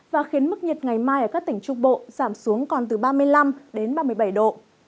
và khiến mức nhiệt ngày mai ở các tỉnh trung bộ giảm xuống còn từ ba mươi năm đến ba mươi bảy độ